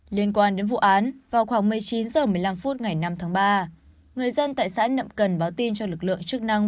liên quan đến vụ án vào khoảng một mươi chín h một mươi năm phút ngày năm tháng ba người dân tại xã nậm cần báo tin cho lực lượng chức năng